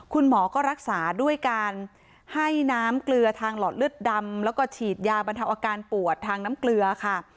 คุณหมอก็รักษาด้วยการให้น้ำเกลือทางหลอดเลือดดำแล้วก็ฉีดยาบรรเทาอาการปวดทางน้ำเกลือค่ะ